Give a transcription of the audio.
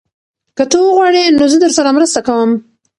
که ته وغواړې نو زه درسره مرسته کوم.